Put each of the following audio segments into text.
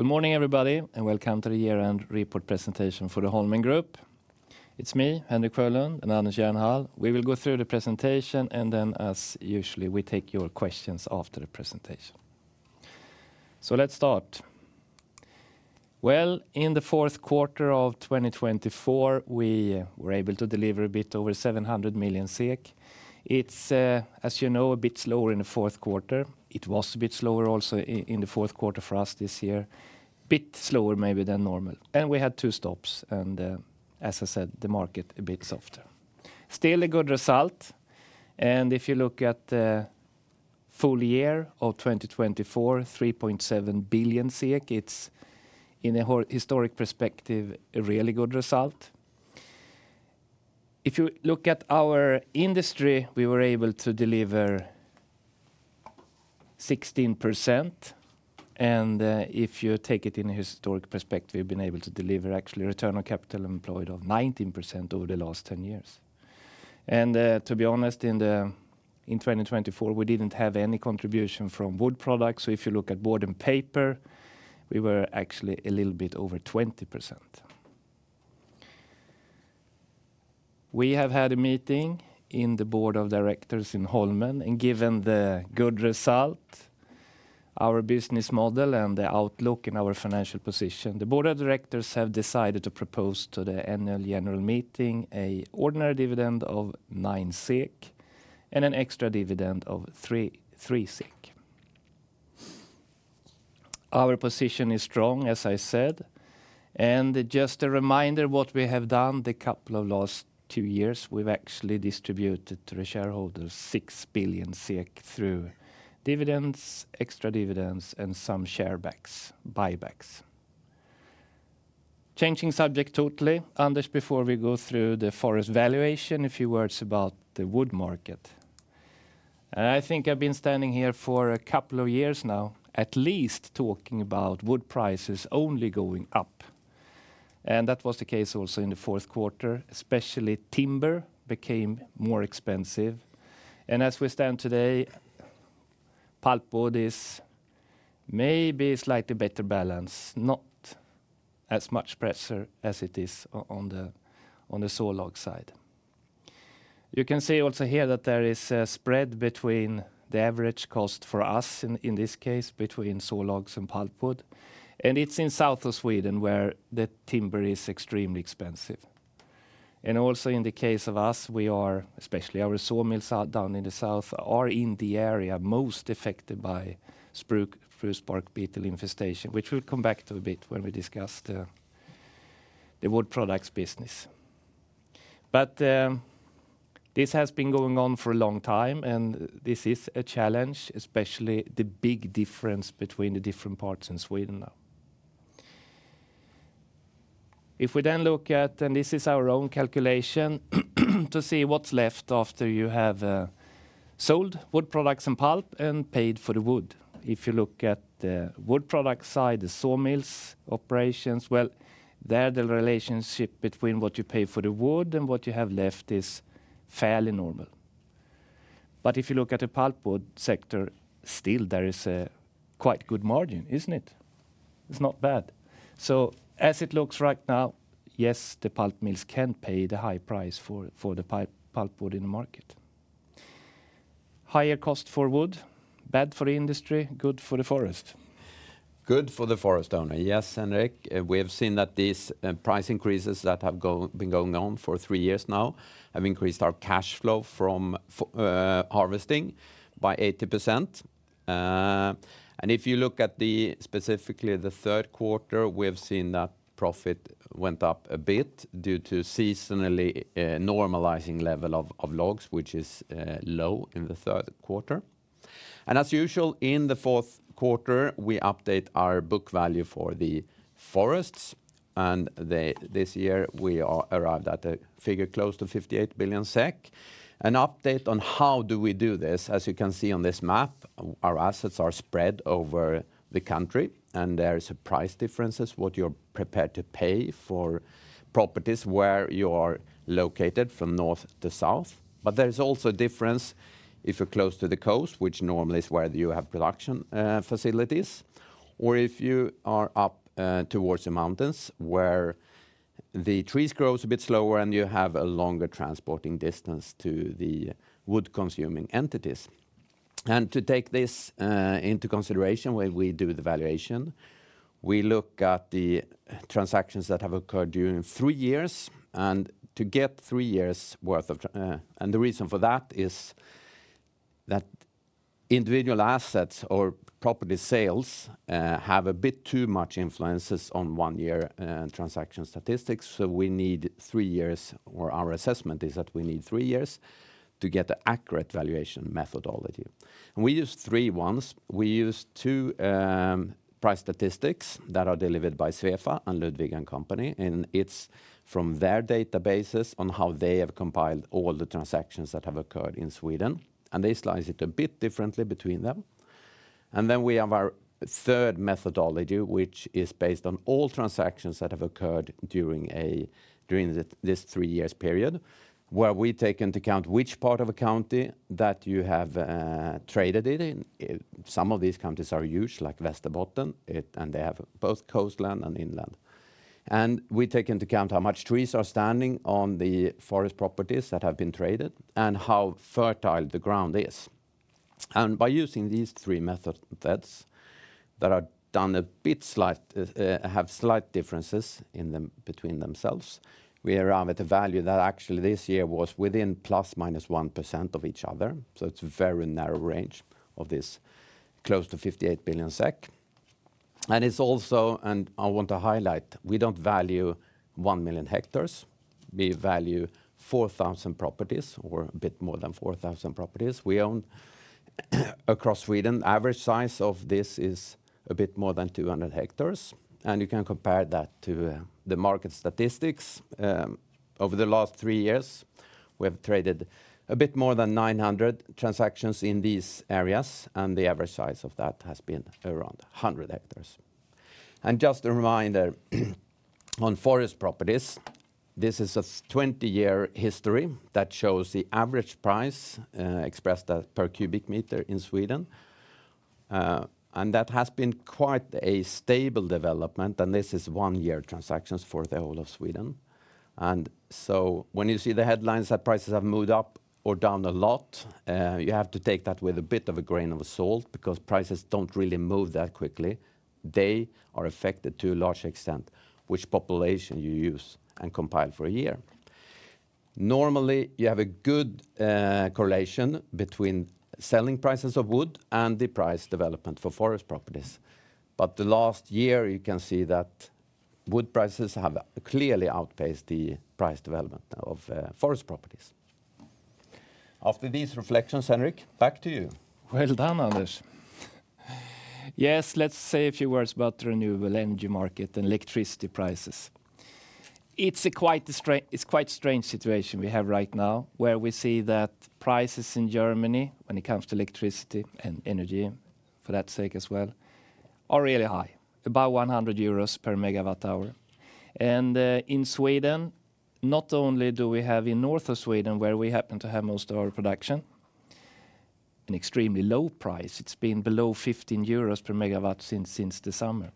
Good morning, everybody, and welcome to the year-end report presentation for the Holmen Group. It's me, Henrik Sjölund, and Anders Jernhall. We will go through the presentation, and then, as usual, we take your questions after the presentation. So let's start. In the fourth quarter of 2024, we were able to deliver a bit over 700 million SEK. It's, as you know, a bit slower in the fourth quarter. It was a bit slower also in the fourth quarter for us this year. A bit slower, maybe, than normal. And we had two stops. And as I said, the market a bit softer. Still a good result. And if you look at the full year of 2024, 3.7 billion, it's, in a historical perspective, a really good result. If you look at our industry, we were able to deliver 16%. And if you take it in a historic perspective, we've been able to deliver, actually, a return on capital employed of 19% over the last 10 years. And to be honest, in 2024, we didn't have any contribution from wood products. So if you look at board and paper, we were actually a little bit over 20%. We have had a meeting in the Board of Directors of Holmen, and given the good result, our business model, and the outlook in our financial position, the Board of Directors have decided to propose to the annual general meeting an ordinary dividend of 9 SEK and an extra dividend of 3 SEK. Our position is strong, as I said. And just a reminder of what we have done the couple of last two years, we've actually distributed to the shareholders 6 billion SEK through dividends, extra dividends, and some share buybacks. Changing subject totally, Anders, before we go through the forest valuation, a few words about the wood market. I think I've been standing here for a couple of years now, at least, talking about wood prices only going up. That was the case also in the fourth quarter, especially timber became more expensive. As we stand today, pulpwood is maybe slightly better balanced, not as much pressure as it is on the sawlog side. You can see also here that there is a spread between the average cost for us, in this case, between sawlogs and pulpwood. It's in south of Sweden where the timber is extremely expensive. And also in the case of us, we are, especially our sawmills down in the south, are in the area most affected by spruce bark beetle infestation, which we'll come back to a bit when we discuss the wood products business. But this has been going on for a long time, and this is a challenge, especially the big difference between the different parts in Sweden now. If we then look at, and this is our own calculation, to see what's left after you have sold wood products and paid for the wood. If you look at the wood product side, the sawmills operations, well, there the relationship between what you pay for the wood and what you have left is fairly normal. But if you look at the pulpwood sector, still there is a quite good margin, isn't it? It's not bad. As it looks right now, yes, the pulpwood mills can pay the high price for the pulpwood in the market. Higher cost for wood, bad for industry, good for the forest. Good for the forest owner. Yes, Henrik, we have seen that these price increases that have been going on for three years now have increased our cash flow from harvesting by 80%, and if you look at specifically the third quarter, we have seen that profit went up a bit due to seasonally normalizing level of logs, which is low in the third quarter, and as usual, in the fourth quarter, we update our book value for the forests, and this year we arrived at a figure close to 58 billion SEK. An update on how we do this, as you can see on this map, our assets are spread over the country, and there are price differences what you're prepared to pay for properties where you are located from north to south. But there's also a difference if you're close to the coast, which normally is where you have production facilities, or if you are up towards the mountains where the trees grow a bit slower and you have a longer transporting distance to the wood-consuming entities. And to take this into consideration when we do the valuation, we look at the transactions that have occurred during three years and to get three years' worth of. And the reason for that is that individual assets or property sales have a bit too much influence on one-year transaction statistics. So we need three years, or our assessment is that we need three years to get an accurate valuation methodology. And we use three ones. We use two price statistics that are delivered by Svefa and Ludvig & Co. And it's from their databases on how they have compiled all the transactions that have occurred in Sweden. And they slice it a bit differently between them. And then we have our third methodology, which is based on all transactions that have occurred during this three-year period, where we take into account which part of a county that you have traded in. Some of these counties are huge, like Västerbotten, and they have both coastland and inland. And we take into account how much trees are standing on the forest properties that have been traded and how fertile the ground is. And by using these three methods that are done a bit slightly, have slight differences between themselves, we arrive at a value that actually this year was within plus minus 1% of each other. So it's a very narrow range of this close to 58 billion SEK. It's also, and I want to highlight, we don't value one million hectares. We value 4,000 properties or a bit more than 4,000 properties we own across Sweden. The average size of this is a bit more than 200 hectares. You can compare that to the market statistics. Over the last three years, we have traded a bit more than 900 transactions in these areas, and the average size of that has been around 100 hectares. Just a reminder on forest properties, this is a 20-year history that shows the average price expressed per cubic meter in Sweden. That has been quite a stable development, and this is one-year transactions for the whole of Sweden. When you see the headlines that prices have moved up or down a lot, you have to take that with a bit of a grain of salt because prices don't really move that quickly. They are affected to a large extent by which publication you use and compile for a year. Normally, you have a good correlation between selling prices of wood and the price development for forest properties. But the last year, you can see that wood prices have clearly outpaced the price development of forest properties. After these reflections, Henrik, back to you. Well done, Anders. Yes, let's say a few words about the renewable energy market and electricity prices. It's a quite strange situation we have right now where we see that prices in Germany, when it comes to electricity and energy for that sake as well, are really high, about 100 euros per megawatt hour. And in Sweden, not only do we have in north of Sweden where we happen to have most of our production, an extremely low price. It's been below 15 euros per megawatt since the summer.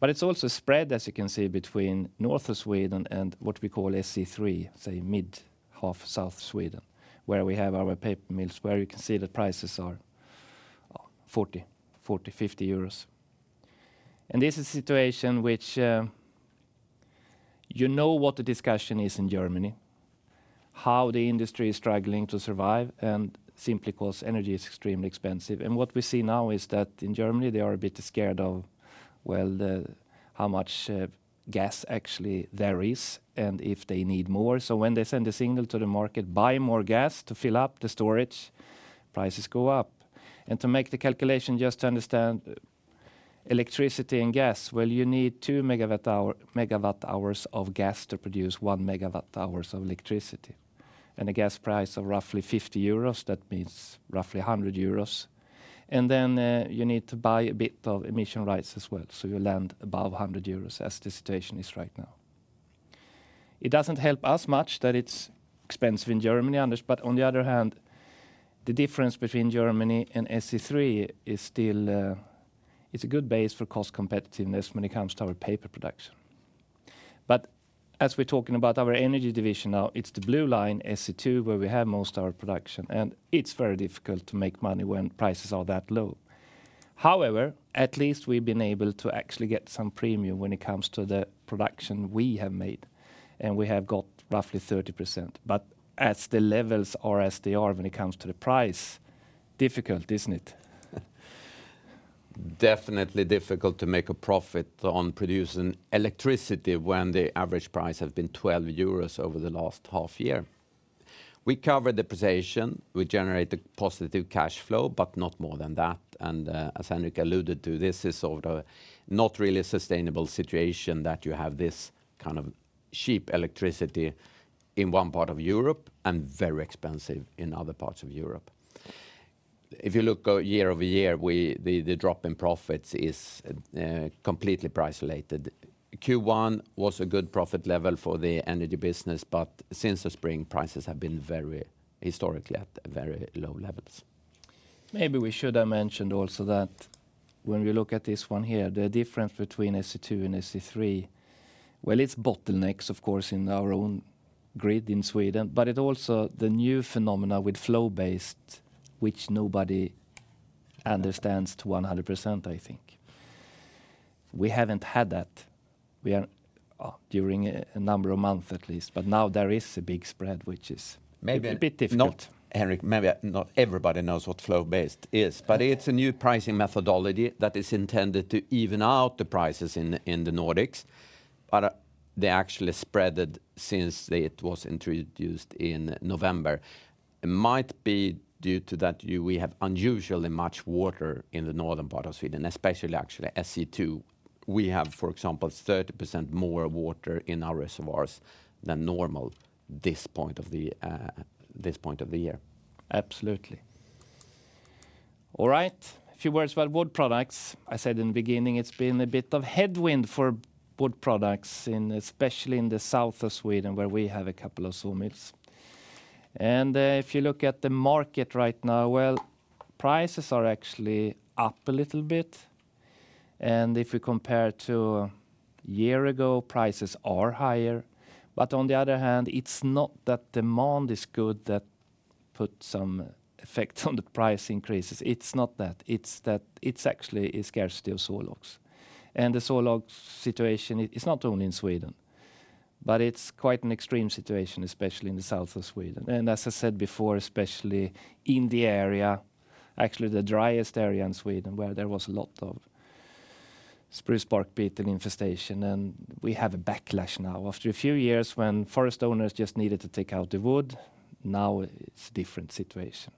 But it's also spread, as you can see, between north of Sweden and what we call SE3, say, mid-half south Sweden, where we have our paper mills, where you can see that prices are 40, 40, 50 euros. This is a situation which you know what the discussion is in Germany, how the industry is struggling to survive, and simply because energy is extremely expensive. What we see now is that in Germany, they are a bit scared of, well, how much gas actually there is and if they need more. When they send a signal to the market, buy more gas to fill up the storage, prices go up. To make the calculation just to understand electricity and gas, well, you need two megawatt hours of gas to produce one megawatt hour of electricity. A gas price of roughly 50 euros, that means roughly 100 euros. Then you need to buy a bit of emission rights as well. You land above 100 euros, as the situation is right now. It doesn't help us much that it's expensive in Germany, Anders, but on the other hand, the difference between Germany and SE3 is still. It's a good base for cost competitiveness when it comes to our paper production. But as we're talking about our energy division now, it's the blue line, SE2, where we have most of our production, and it's very difficult to make money when prices are that low. However, at least we've been able to actually get some premium when it comes to the production we have made, and we have got roughly 30%. But as the levels are as they are when it comes to the price, difficult, isn't it? Definitely difficult to make a profit on producing electricity when the average price has been 12 euros over the last half year. We covered the position. We generate a positive cash flow, but not more than that, and as Henrik alluded to, this is sort of a not really sustainable situation that you have this kind of cheap electricity in one part of Europe and very expensive in other parts of Europe. If you look year over year, the drop in profits is completely price-related. Q1 was a good profit level for the energy business, but since the spring, prices have been very historically at very low levels. Maybe we should have mentioned also that when we look at this one here, the difference between SE2 and SE3, well, it's bottlenecks, of course, in our own grid in Sweden, but it also the new phenomena with flow-based, which nobody understands to 100%, I think. We haven't had that during a number of months at least, but now there is a big spread, which is a bit difficult. Maybe not, Henrik, maybe not everybody knows what flow-based is, but it's a new pricing methodology that is intended to even out the prices in the Nordics. But they actually spread it since it was introduced in November. It might be due to that we have unusually much water in the northern part of Sweden, especially actually SE2. We have, for example, 30% more water in our reservoirs than normal at this point of the year. Absolutely. All right, a few words about wood products. I said in the beginning it's been a bit of headwind for wood products, especially in the south of Sweden where we have a couple of sawmills. And if you look at the market right now, well, prices are actually up a little bit. And if we compare to a year ago, prices are higher. But on the other hand, it's not that demand is good that puts some effect on the price increases. It's not that. It's that it's actually a scarcity of sawlogs. And the sawlog situation is not only in Sweden, but it's quite an extreme situation, especially in the south of Sweden. And as I said before, especially in the area, actually the driest area in Sweden where there was a lot of spruce bark beetle infestation, and we have a backlash now. After a few years when forest owners just needed to take out the wood, now it's a different situation.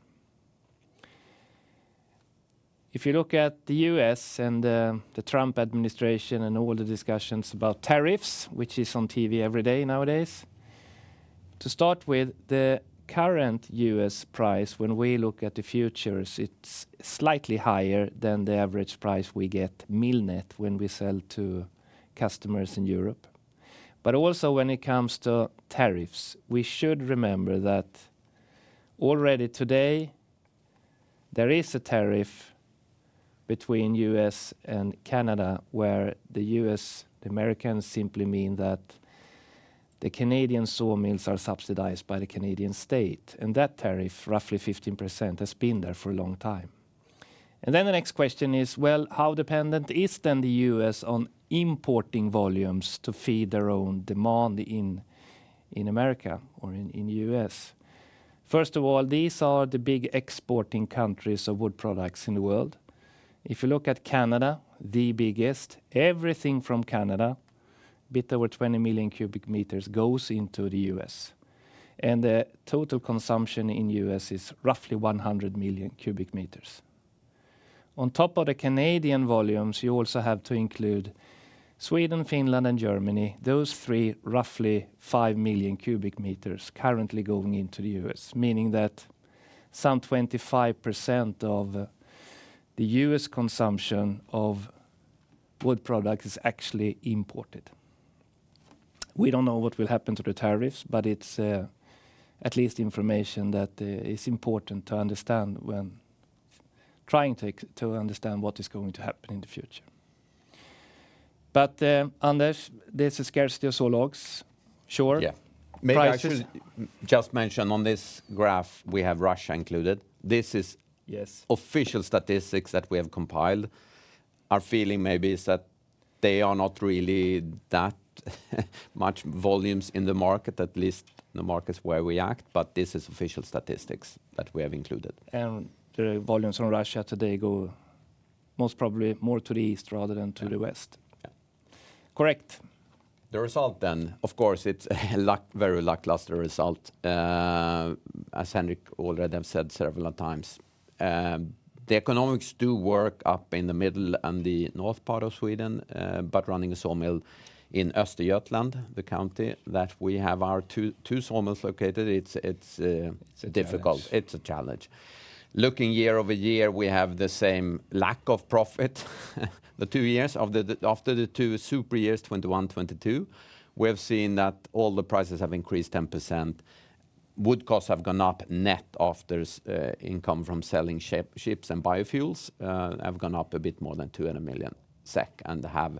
If you look at the U.S. and the Trump administration and all the discussions about tariffs, which is on TV every day nowadays, to start with, the current U.S. price when we look at the futures, it's slightly higher than the average price we get mill net when we sell to customers in Europe, but also when it comes to tariffs, we should remember that already today there is a tariff between the U.S. and Canada where the U.S., the Americans simply mean that the Canadian sawmills are subsidized by the Canadian state, and that tariff, roughly 15%, has been there for a long time. And then the next question is, well, how dependent is then the U.S. on importing volumes to feed their own demand in America or in the U.S.? First of all, these are the big exporting countries of wood products in the world. If you look at Canada, the biggest, everything from Canada, a bit over 20 million cubic meters goes into the U.S. And the total consumption in the U.S. is roughly 100 million cubic meters. On top of the Canadian volumes, you also have to include Sweden, Finland, and Germany, those three roughly 5 million cubic meters currently going into the U.S., meaning that some 25% of the U.S. consumption of wood products is actually imported. We don't know what will happen to the tariffs, but it's at least information that is important to understand when trying to understand what is going to happen in the future. But Anders, there's a scarcity of sawlogs, sure? Yeah. Maybe I should just mention on this graph, we have Russia included. This is official statistics that we have compiled. Our feeling maybe is that they are not really that much volumes in the market, at least in the markets where we act, but this is official statistics that we have included. The volumes from Russia today go most probably more to the east rather than to the west. Yeah. Correct. The result then, of course, it's a very lackluster result, as Henrik already has said several times. The economics do work up in the middle and the north part of Sweden, but running a sawmill in Östergötland, the county that we have our two sawmills located, it's difficult. It's a challenge. Looking year over year, we have the same lack of profit. The two years after the two super years, 2021, 2022, we have seen that all the prices have increased 10%. Wood costs have gone up net after income from selling chips and biofuels have gone up a bit more than 200 million SEK and have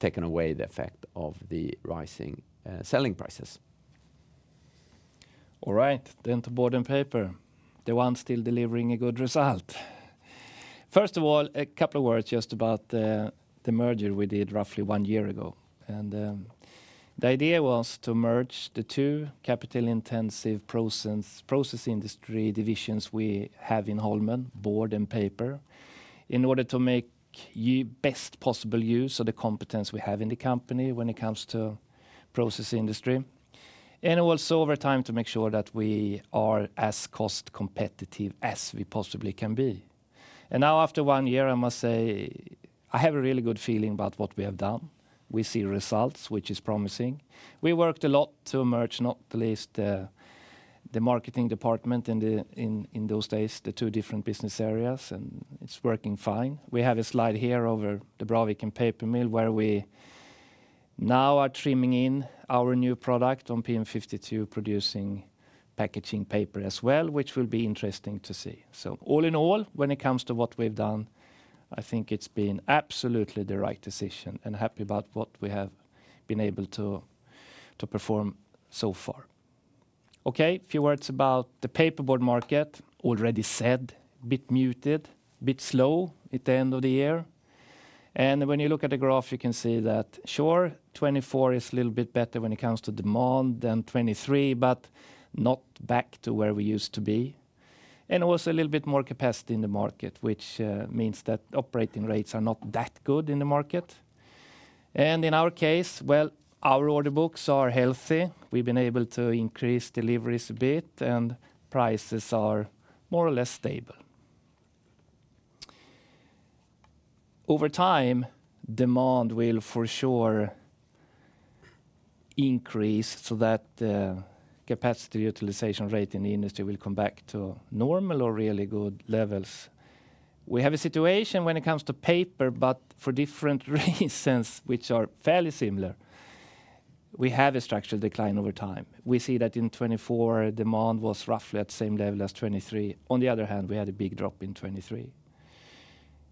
taken away the effect of the rising selling prices. All right, then to board and paper. The one still delivering a good result. First of all, a couple of words just about the merger we did roughly one year ago. And the idea was to merge the two capital-intensive process industry divisions we have in Holmen, board and paper, in order to make best possible use of the competence we have in the company when it comes to process industry. And also over time to make sure that we are as cost competitive as we possibly can be. And now after one year, I must say, I have a really good feeling about what we have done. We see results, which is promising. We worked a lot to merge, not least the marketing department in those days, the two different business areas, and it's working fine. We have a slide here over the Braviken paper mill where we now are trimming in our new product on PM52 producing packaging paper as well, which will be interesting to see. So all in all, when it comes to what we've done, I think it's been absolutely the right decision and happy about what we have been able to perform so far. Okay, a few words about the paperboard market, already said, a bit muted, a bit slow at the end of the year. And when you look at the graph, you can see that, sure, 2024 is a little bit better when it comes to demand than 2023, but not back to where we used to be. And also a little bit more capacity in the market, which means that operating rates are not that good in the market. In our case, well, our order books are healthy. We've been able to increase deliveries a bit, and prices are more or less stable. Over time, demand will for sure increase so that the capacity utilization rate in the industry will come back to normal or really good levels. We have a situation when it comes to paper, but for different reasons which are fairly similar. We see that in 2024, demand was roughly at the same level as 2023. On the other hand, we had a big drop in 2023.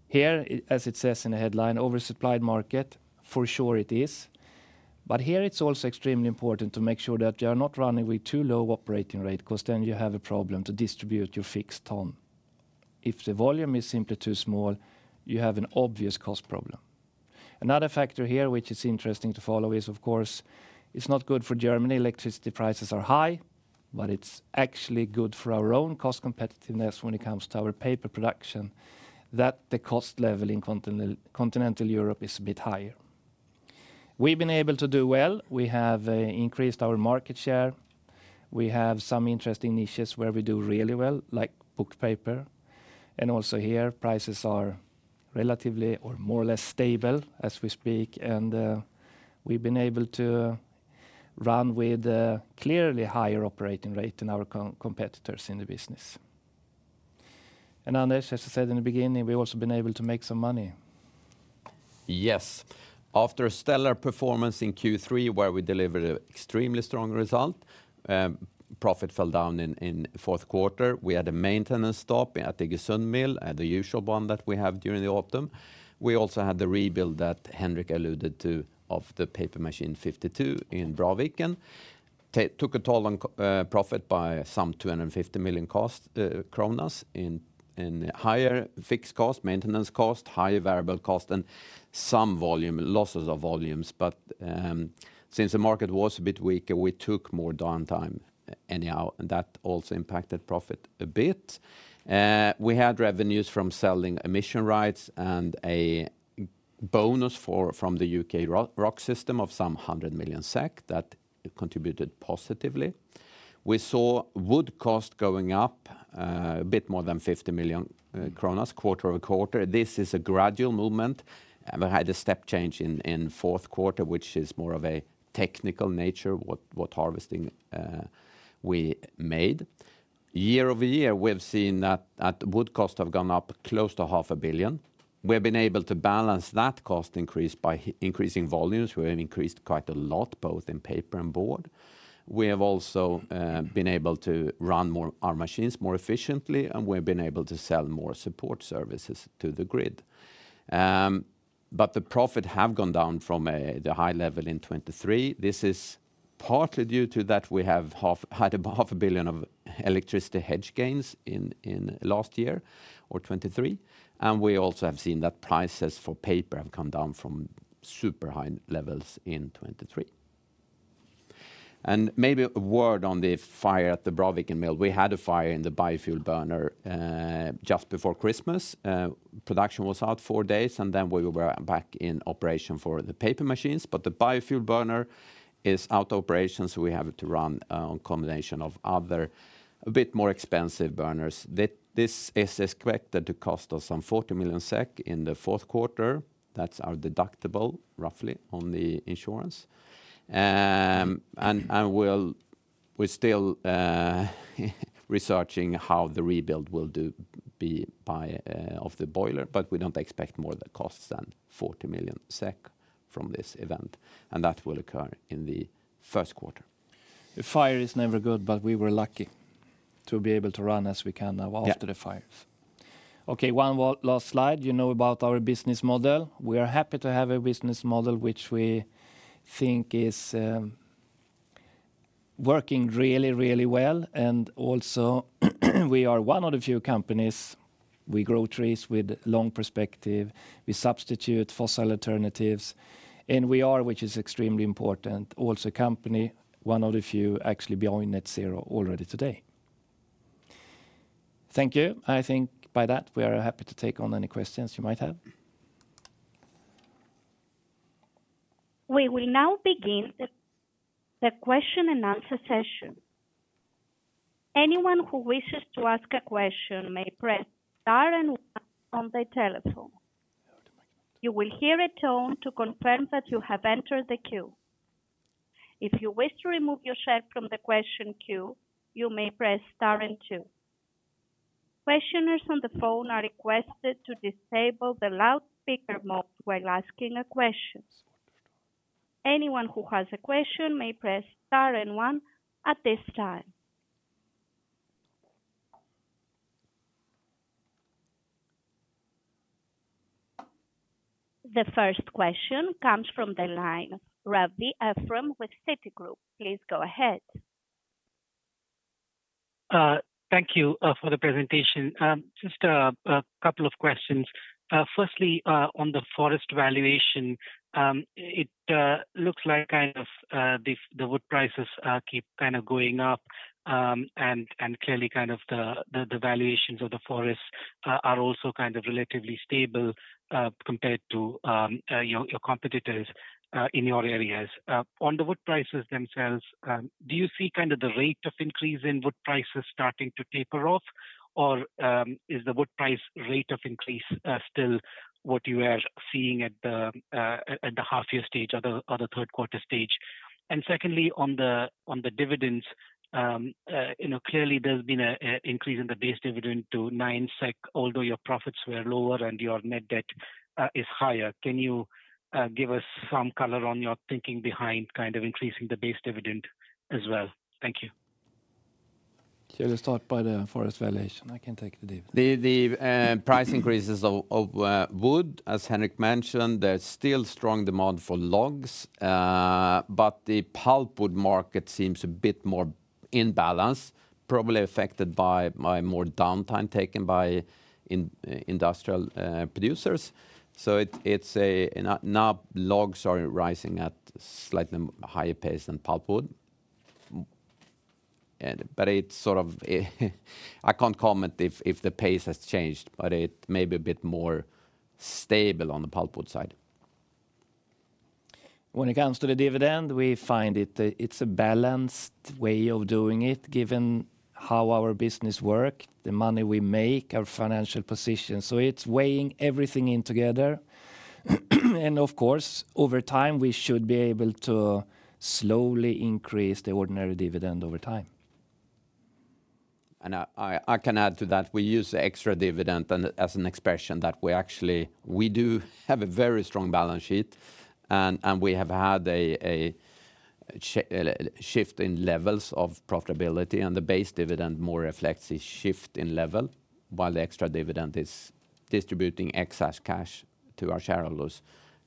Here, as it says in the headline, oversupplied market, for sure it is. But here it's also extremely important to make sure that you are not running with too low operating rate because then you have a problem to distribute your fixed costs. If the volume is simply too small, you have an obvious cost problem. Another factor here which is interesting to follow is, of course, it's not good for Germany. Electricity prices are high, but it's actually good for our own cost competitiveness when it comes to our paper production, that the cost level in continental Europe is a bit higher. We've been able to do well. We have increased our market share. We have some interesting niches where we do really well, like book paper. And also here, prices are relatively or more or less stable as we speak. And we've been able to run with a clearly higher operating rate than our competitors in the business. And Anders, as I said in the beginning, we've also been able to make some money. Yes. After a stellar performance in Q3, where we delivered an extremely strong result, profit fell down in the fourth quarter. We had a maintenance stop at the Iggesund mill, the usual one that we have during the autumn. We also had the rebuild that Henrik alluded to of the paper machine 52 in Braviken. Took a toll on profit by some 250 million kronor in higher fixed cost, maintenance cost, higher variable cost, and some volume, losses of volumes. But since the market was a bit weaker, we took more downtime anyhow, and that also impacted profit a bit. We had revenues from selling emission rights and a bonus from the UK ROCs system of some 100 million SEK that contributed positively. We saw wood cost going up a bit more than 50 million kronor, quarter over quarter. This is a gradual movement. We had a step change in fourth quarter, which is more of a technical nature, what harvesting we made. Year over year, we've seen that wood costs have gone up close to 500 million. We've been able to balance that cost increase by increasing volumes. We've increased quite a lot, both in paper and board. We have also been able to run our machines more efficiently, and we've been able to sell more support services to the grid. But the profit has gone down from the high level in 2023. This is partly due to that we had 500 million of electricity hedge gains in last year or 2023. And we also have seen that prices for paper have come down from super high levels in 2023. And maybe a word on the fire at the Braviken mill. We had a fire in the biofuel burner just before Christmas. Production was out four days, and then we were back in operation for the paper machines. But the biofuel burner is out of operation, so we have to run on a combination of other a bit more expensive burners. This is expected to cost us some 40 million SEK in the fourth quarter. That's our deductible, roughly, on the insurance. And we're still researching how the rebuild will be of the boiler, but we don't expect more costs than 40 million SEK from this event. And that will occur in the first quarter. The fire is never good, but we were lucky to be able to run as we can now after the fires. Okay, one last slide. You know about our business model. We are happy to have a business model which we think is working really, really well. And also we are one of the few companies. We grow trees with long perspective. We substitute fossil alternatives. And we are, which is extremely important, also a company, one of the few actually behind net zero already today. Thank you. I think by that we are happy to take on any questions you might have. We will now begin the question and answer session. Anyone who wishes to ask a question may press star and one on the telephone. You will hear a tone to confirm that you have entered the queue. If you wish to remove yourself from the question queue, you may press star and two. Questioners on the phone are requested to disable the loudspeaker mode while asking a question. Anyone who has a question may press star and one at this time. The first question comes from the line of Ephrem Ravi with Citigroup. Please go ahead. Thank you for the presentation. Just a couple of questions. Firstly, on the forest valuation, it looks like kind of the wood prices keep kind of going up. And clearly kind of the valuations of the forests are also kind of relatively stable compared to your competitors in your areas. On the wood prices themselves, do you see kind of the rate of increase in wood prices starting to taper off, or is the wood price rate of increase still what you are seeing at the half year stage or the third quarter stage? And secondly, on the dividends, clearly there's been an increase in the base dividend to 9 SEK, although your profits were lower and your net debt is higher. Can you give us some color on your thinking behind kind of increasing the base dividend as well? Thank you. Shall I start by the forest valuation? I can take the dividend. The price increases of wood, as Henrik mentioned, there's still strong demand for logs, but the pulpwood market seems a bit more in balance, probably affected by more downtime taken by industrial producers, so now logs are rising at slightly higher pace than pulpwood, but it's sort of, I can't comment if the pace has changed, but it may be a bit more stable on the pulpwood side. When it comes to the dividend, we find it's a balanced way of doing it, given how our business works, the money we make, our financial position. So it's weighing everything in together. And of course, over time, we should be able to slowly increase the ordinary dividend over time. I can add to that, we use the extra dividend as an expression that we actually do have a very strong balance sheet. We have had a shift in levels of profitability, and the base dividend more reflects a shift in level, while the extra dividend is distributing excess cash to our shareholders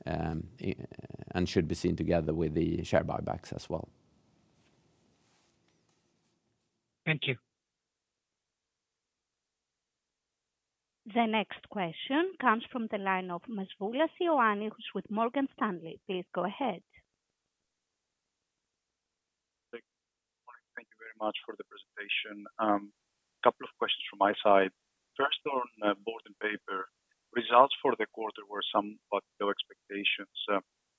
and should be seen together with the share buybacks as well. Thank you. The next question comes from the line of Ioannis Masvoulas, who's with Morgan Stanley. Please go ahead. Thank you very much for the presentation. A couple of questions from my side. First, on board and paper, results for the quarter were somewhat below expectations.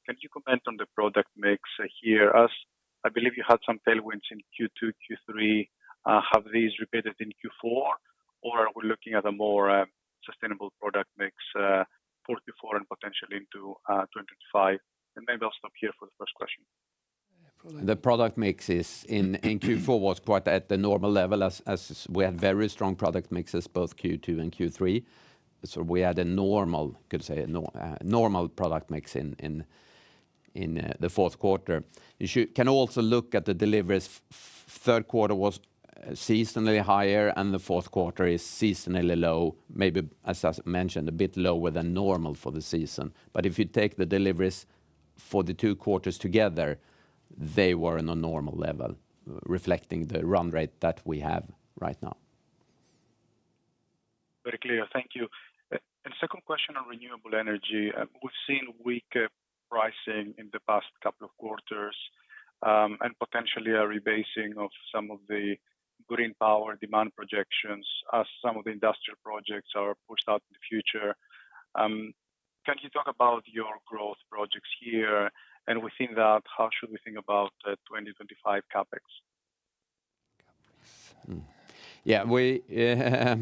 Can you comment on the product mix here? I believe you had some tailwinds in Q2, Q3. Have these repeated in Q4, or are we looking at a more sustainable product mix for Q4 and potentially into 2025? And maybe I'll stop here for the first question. The product mixes in Q4 was quite at the normal level, as we had very strong product mixes both Q2 and Q3. So we had a normal, I could say, normal product mix in the fourth quarter. You can also look at the deliveries. Third quarter was seasonally higher, and the fourth quarter is seasonally low, maybe, as I mentioned, a bit lower than normal for the season. But if you take the deliveries for the two quarters together, they were on a normal level, reflecting the run rate that we have right now. Very clear. Thank you. And second question on renewable energy. We've seen weaker pricing in the past couple of quarters and potentially a rebasing of some of the green power demand projections as some of the industrial projects are pushed out in the future. Can you talk about your growth projects here? And within that, how should we think about the 2025 CapEx? Yeah,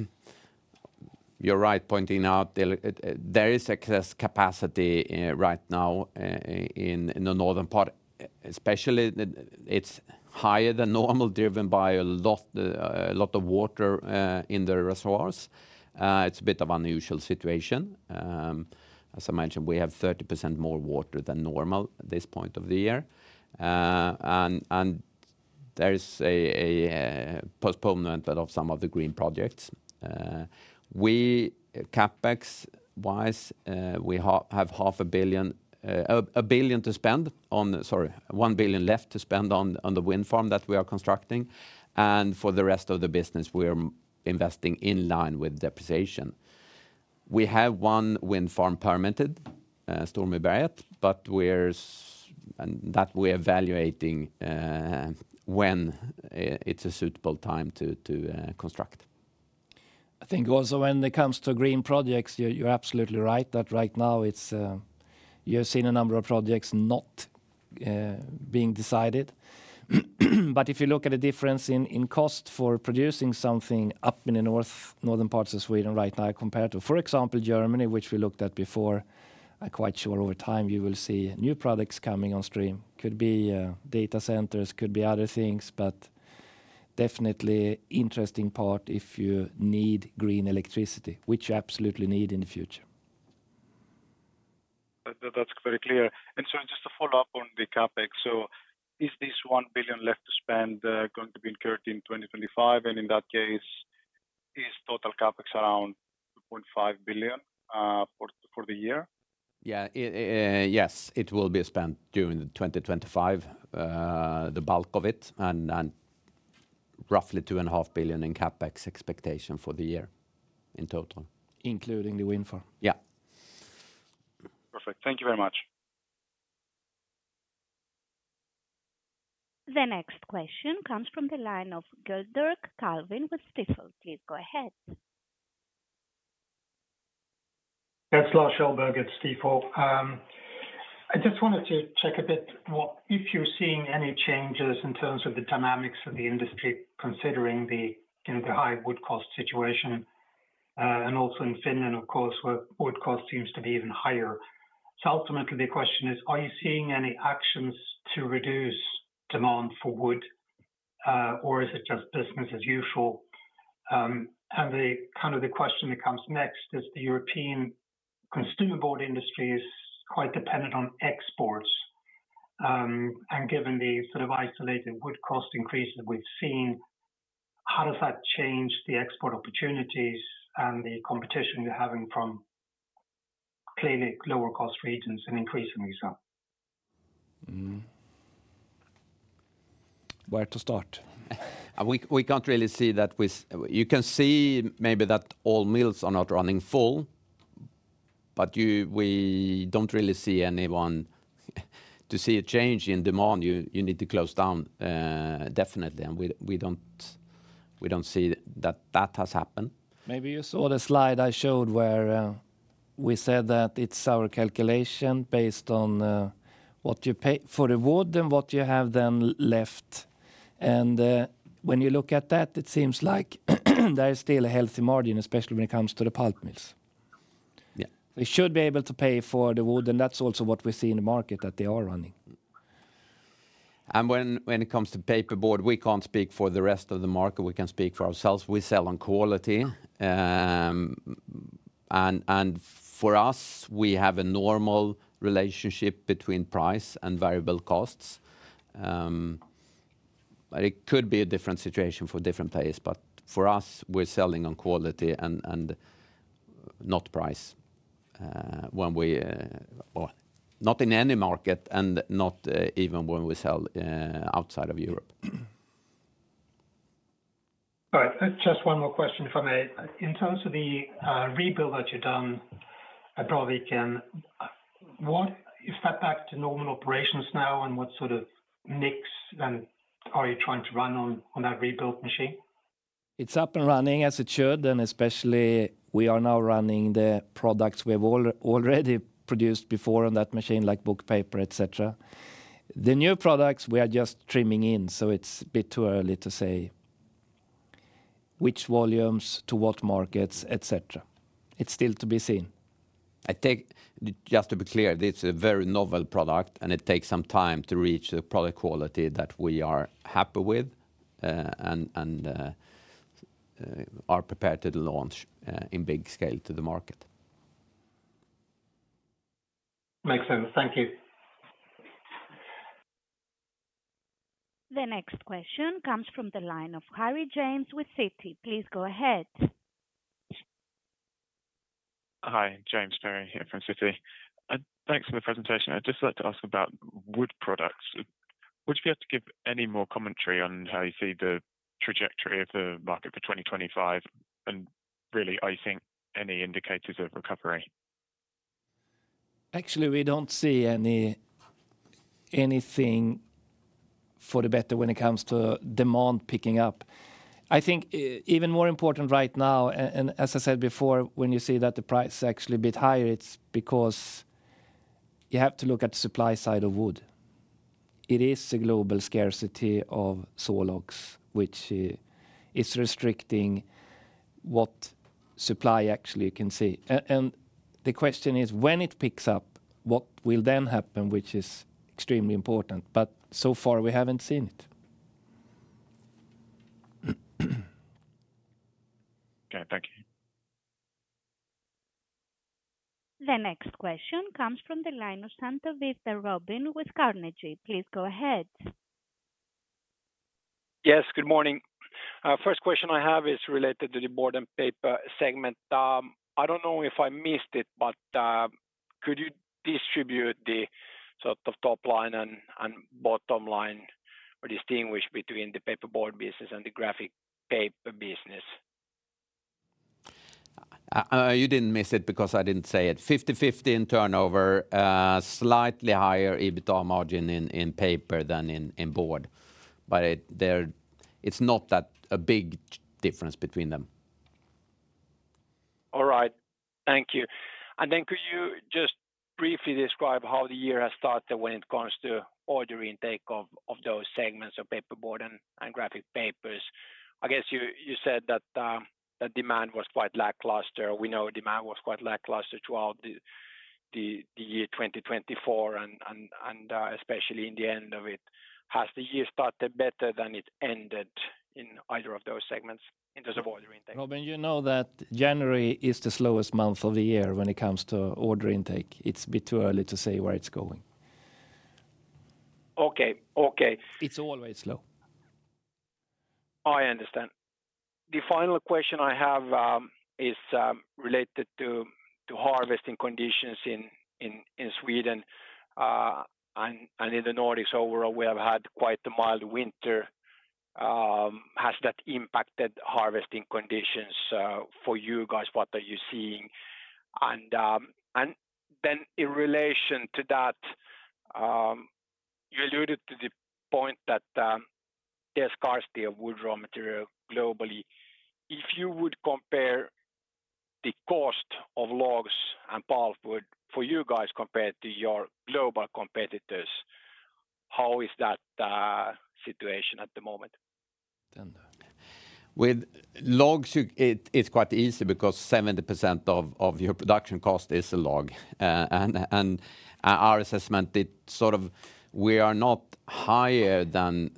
you're right pointing out there is excess capacity right now in the northern part, especially it's higher than normal, driven by a lot of water in the reservoirs. It's a bit of an unusual situation. As I mentioned, we have 30% more water than normal at this point of the year. And there's a postponement of some of the green projects. CapEx-wise, we have 500 million, 1 billion to spend on, sorry, 1 billion left to spend on the wind farm that we are constructing. And for the rest of the business, we are investing in line with depreciation. We have one wind farm permitted, Stormyrberget, but we're evaluating when it's a suitable time to construct. I think also when it comes to green projects, you're absolutely right that right now you've seen a number of projects not being decided. But if you look at the difference in cost for producing something up in the northern parts of Sweden right now compared to, for example, Germany, which we looked at before, I'm quite sure over time you will see new products coming on stream. Could be data centers, could be other things, but definitely interesting part if you need green electricity, which you absolutely need in the future. That's very clear. And so just to follow up on the CapEx, so is this one billion left to spend going to be incurred in 2025? And in that case, is total CapEx around 2.5 billion for the year? Yeah, yes, it will be spent during 2025, the bulk of it, and roughly 2.5 billion in CapEx expectation for the year in total. Including the wind farm. Yeah. Perfect. Thank you very much. The next question comes from the line of Lars Kjellberg with Stifel. Please go ahead. That's Lars Kjellberg at Stifel. I just wanted to check a bit if you're seeing any changes in terms of the dynamics of the industry considering the high wood cost situation. And also in Finland, of course, wood cost seems to be even higher. So ultimately, the question is, are you seeing any actions to reduce demand for wood, or is it just business as usual? And the kind of the question that comes next is the European consumer board industry is quite dependent on exports. And given the sort of isolated wood cost increase that we've seen, how does that change the export opportunities and the competition you're having from clearly lower cost regions and increasingly so? Where to start? We can't really see that. You can see maybe that all mills are not running full, but we don't really see anyone. To see a change in demand, you need to close down definitely, and we don't see that that has happened. Maybe you saw the slide I showed where we said that it's our calculation based on what you pay for the wood and what you have then left. And when you look at that, it seems like there is still a healthy margin, especially when it comes to the pulp mills. We should be able to pay for the wood, and that's also what we see in the market that they are running. When it comes to paperboard, we can't speak for the rest of the market. We can speak for ourselves. We sell on quality. For us, we have a normal relationship between price and variable costs. It could be a different situation for different players. For us, we're selling on quality and not price when we, or not in any market and not even when we sell outside of Europe. All right. Just one more question, if I may. In terms of the rebuild that you've done, I probably can, what is that back to normal operations now and what sort of mix are you trying to run on that rebuild machine? It's up and running as it should, and especially we are now running the products we have already produced before on that machine, like book paper, etc. The new products, we are just trimming in, so it's a bit too early to say which volumes to what markets, etc. It's still to be seen. I take, just to be clear, this is a very novel product, and it takes some time to reach the product quality that we are happy with and are prepared to launch in big scale to the market. Makes sense. Thank you. The next question comes from the line of James Perry with Citi. Please go ahead. Hi, James Perry here from Citi. Thanks for the presentation. I'd just like to ask about wood products. Would you be able to give any more commentary on how you see the trajectory of the market for 2025 and really, I think, any indicators of recovery? Actually, we don't see anything for the better when it comes to demand picking up. I think even more important right now, and as I said before, when you see that the price is actually a bit higher, it's because you have to look at the supply side of wood. It is a global scarcity of sawlogs, which is restricting what supply actually you can see. And the question is, when it picks up, what will then happen, which is extremely important. But so far, we haven't seen it. Okay, thank you. The next question comes from the line of Robin Santavirta with Carnegie. Please go ahead. Yes, good morning. First question I have is related to the board and paper segment. I don't know if I missed it, but could you distribute the sort of top line and bottom line or distinguish between the paperboard business and the graphic paper business? You didn't miss it because I didn't say it. 50-50 in turnover, slightly higher EBITDA margin in paper than in board. But it's not that a big difference between them. All right. Thank you. And then could you just briefly describe how the year has started when it comes to order intake of those segments of paperboard and graphic papers? I guess you said that the demand was quite lackluster. We know demand was quite lackluster throughout the year 2024, and especially in the end of it. Has the year started better than it ended in either of those segments in terms of order intake? Robin, you know that January is the slowest month of the year when it comes to order intake. It's a bit too early to say where it's going. Okay, okay. It's always slow. I understand. The final question I have is related to harvesting conditions in Sweden and in the Nordics overall. We have had quite a mild winter. Has that impacted harvesting conditions for you guys? What are you seeing? And then in relation to that, you alluded to the point that there's scarcity of wood raw material globally. If you would compare the cost of logs and pulpwood for you guys compared to your global competitors, how is that situation at the moment? With logs, it's quite easy because 70% of your production cost is a log. And our assessment, it sort of, we are not higher than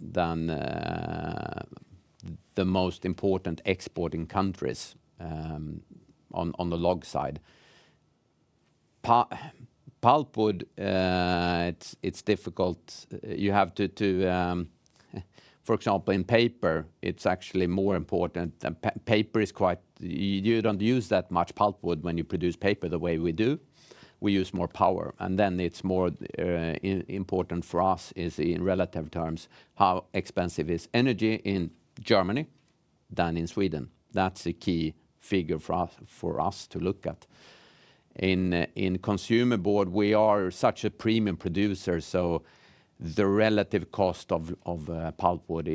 the most important exporting countries on the log side. Pulpwood, it's difficult. You have to, for example, in paper, it's actually more important than paper is quite, you don't use that much pulpwood when you produce paper the way we do. We use more power. And then it's more important for us is in relative terms how expensive is energy in Germany than in Sweden. That's a key figure for us to look at. In consumer board, we are such a premium producer, so the relative cost of pulpwood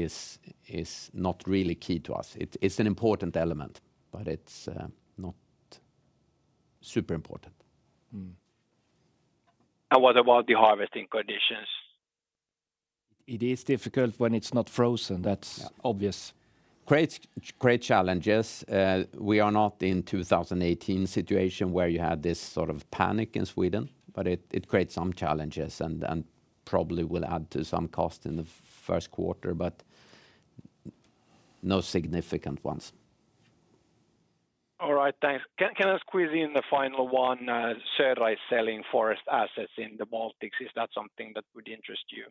is not really key to us. It's an important element, but it's not super important. What about the harvesting conditions? It is difficult when it's not frozen. That's obvious. Creates great challenges. We are not in a 2018 situation where you had this sort of panic in Sweden, but it creates some challenges and probably will add to some cost in the first quarter, but no significant ones. All right, thanks. Can I squeeze in the final one? Stora Enso selling forest assets in the Baltics. Is that something that would interest you?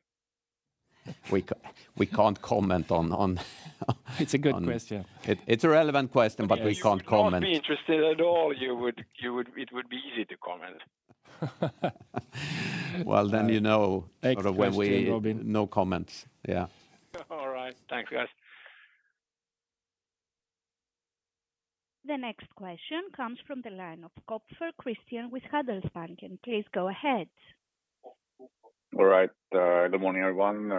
We can't comment on. It's a good question. It's a relevant question, but we can't comment. If you're not interested at all, it would be easy to comment. You know, sort of when we no comments. Yeah. All right. Thanks, guys. The next question comes from the line of Christian Kopfer with Handelsbanken. Please go ahead. All right. Good morning, everyone.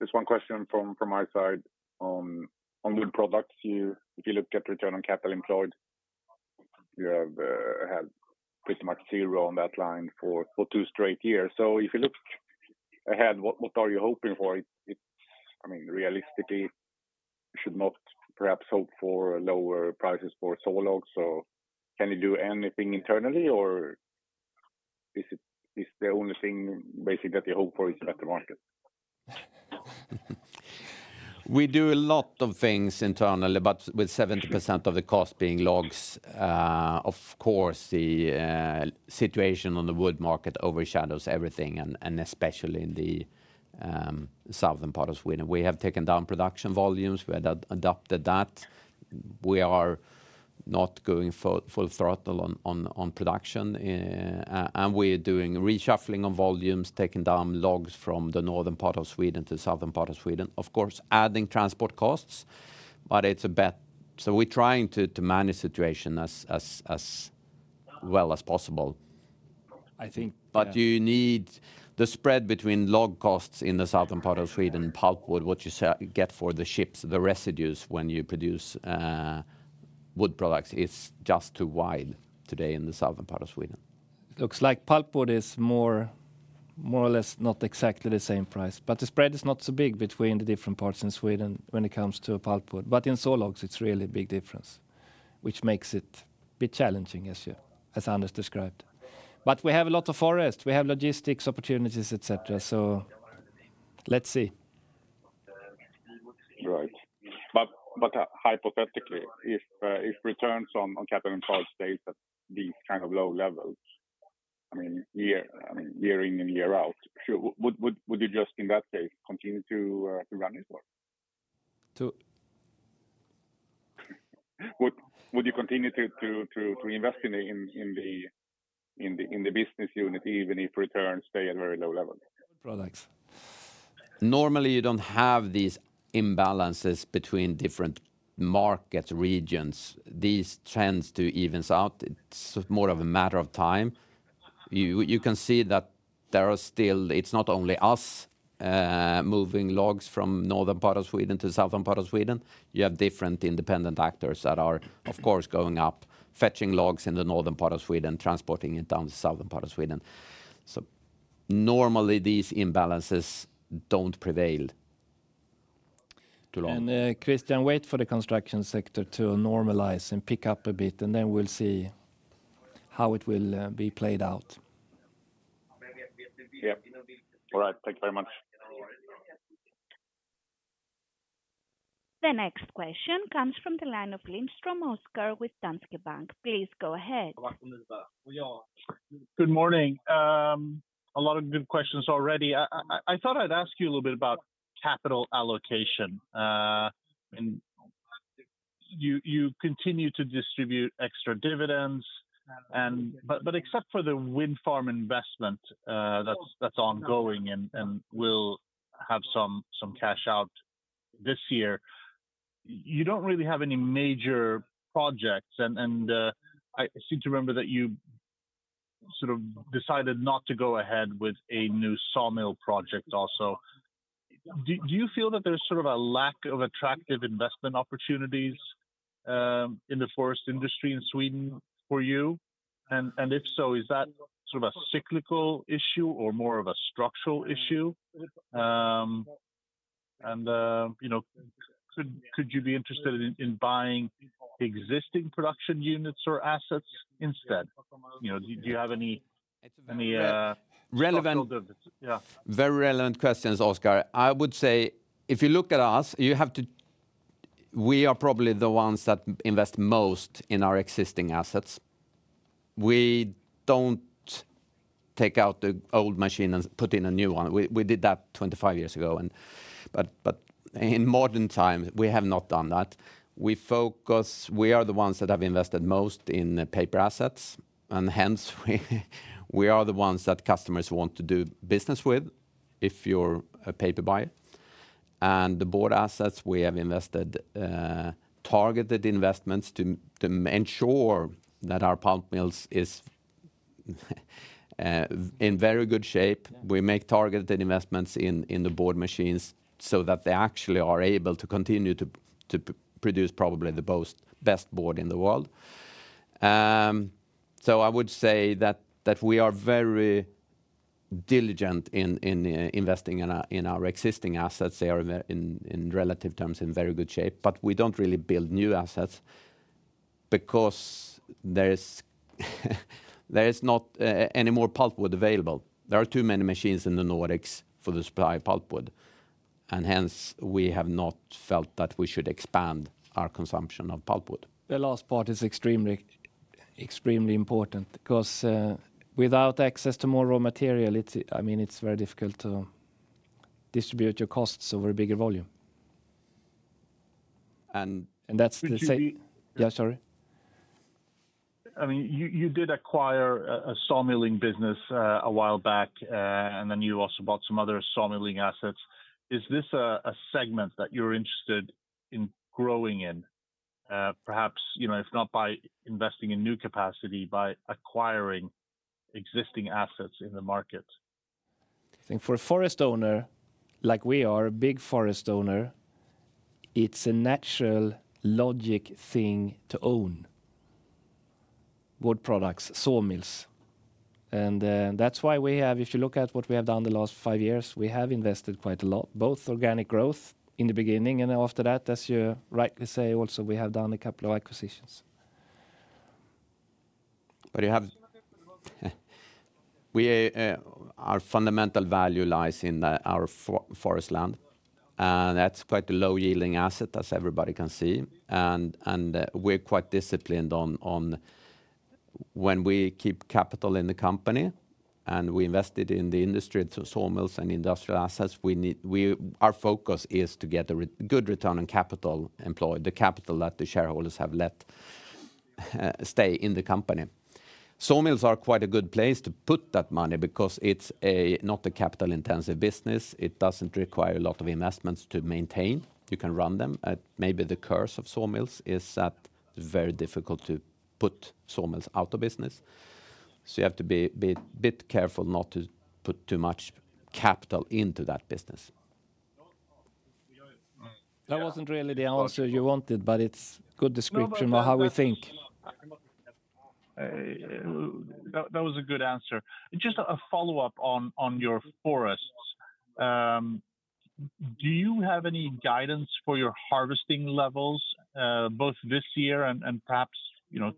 Just one question from my side. On wood products, if you look at return on capital employed, you have had pretty much zero on that line for two straight years. So if you look ahead, what are you hoping for? I mean, realistically, you should not perhaps hope for lower prices for sawlogs. So can you do anything internally, or is the only thing basically that you hope for is a better market? We do a lot of things internally, but with 70% of the cost being logs, of course, the situation on the wood market overshadows everything, and especially in the southern part of Sweden. We have taken down production volumes. We have adopted that. We are not going full throttle on production, and we are doing reshuffling of volumes, taking down logs from the northern part of Sweden to the southern part of Sweden, of course, adding transport costs, but it's a bet. So we're trying to manage the situation as well as possible. I think. But you need the spread between log costs in the southern part of Sweden and pulpwood, what you get for the chips, the residues when you produce wood products is just too wide today in the southern part of Sweden. It looks like pulpwood is more or less not exactly the same price, but the spread is not so big between the different parts in Sweden when it comes to pulpwood. But in sawlogs, it's really a big difference, which makes it a bit challenging, as Anders described. But we have a lot of forest. We have logistics opportunities, etc. So let's see. Right. But hypothetically, if returns on capital and cost stay at these kind of low levels, I mean, year in and year out, would you just in that case continue to run this work? To? Would you continue to invest in the business unit even if returns stay at very low levels? Products. Normally, you don't have these imbalances between different market regions. These trends do even out. It's more of a matter of time. You can see that there are still, it's not only us moving logs from the northern part of Sweden to the southern part of Sweden. You have different independent actors that are, of course, going up, fetching logs in the northern part of Sweden, transporting it down to the southern part of Sweden. So normally, these imbalances don't prevail. Christian, wait for the construction sector to normalize and pick up a bit, and then we'll see how it will be played out. All right. Thank you very much. The next question comes from the line of Oskar Lindström with Danske Bank. Please go ahead. Good morning. A lot of good questions already. I thought I'd ask you a little bit about capital allocation. You continue to distribute extra dividends, but except for the wind farm investment that's ongoing and will have some cash out this year, you don't really have any major projects. And I seem to remember that you sort of decided not to go ahead with a new sawmill project also. Do you feel that there's sort of a lack of attractive investment opportunities in the forest industry in Sweden for you? And if so, is that sort of a cyclical issue or more of a structural issue? And could you be interested in buying existing production units or assets instead? Do you have any? Relevant. Very relevant questions, Oskar. I would say if you look at us, you have to. We are probably the ones that invest most in our existing assets. We don't take out the old machine and put in a new one. We did that 25 years ago. But in modern times, we have not done that. We focus. We are the ones that have invested most in paper assets, and hence we are the ones that customers want to do business with if you're a paper buyer. And the board assets, we have invested targeted investments to ensure that our pulp mills are in very good shape. We make targeted investments in the board machines so that they actually are able to continue to produce probably the best board in the world. So I would say that we are very diligent in investing in our existing assets. They are, in relative terms, in very good shape, but we don't really build new assets because there is not any more pulpwood available. There are too many machines in the Nordics for the supply of pulpwood, and hence we have not felt that we should expand our consumption of pulpwood. The last part is extremely important because without access to more raw material, I mean, it's very difficult to distribute your costs over a bigger volume. And. That's the same. Yeah, sorry. I mean, you did acquire a sawmilling business a while back, and then you also bought some other sawmilling assets. Is this a segment that you're interested in growing in? Perhaps, if not by investing in new capacity, by acquiring existing assets in the market? I think for a forest owner, like we are, a big forest owner, it's a natural logic thing to own wood products, sawmills, and that's why we have, if you look at what we have done the last five years, we have invested quite a lot, both organic growth in the beginning and after that, as you rightly say, also we have done a couple of acquisitions. But you have, our fundamental value lies in our forest land. And that's quite a low-yielding asset, as everybody can see. And we're quite disciplined on when we keep capital in the company and we invested in the industry, so sawmills and industrial assets, our focus is to get a good Return on Capital Employed, the capital that the shareholders have let stay in the company. Sawmills are quite a good place to put that money because it's not a capital-intensive business. It doesn't require a lot of investments to maintain. You can run them. Maybe the curse of sawmills is that it's very difficult to put sawmills out of business. So you have to be a bit careful not to put too much capital into that business. That wasn't really the answer you wanted, but it's a good description of how we think. That was a good answer. Just a follow-up on your forests. Do you have any guidance for your harvesting levels, both this year and perhaps